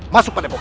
masuk pada pokok